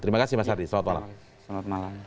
terima kasih mas hadi selamat malam